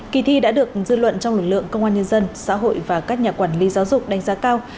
kỳ thi đã được dư luận trong lực lượng công an nhân dân xã hội và các nhà quản lý giáo dục đánh giá cao